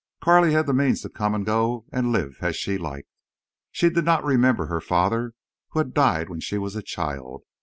Carley had the means to come and go and live as she liked. She did not remember her father, who had died when she was a child.